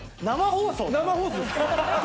生放送です。